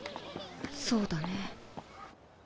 そうだね。